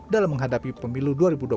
dalam menghadapi pemilu dua ribu dua puluh